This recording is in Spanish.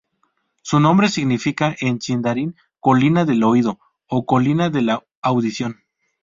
Su nombre significa en sindarin ‘colina del oído’ o ‘colina de la audición’.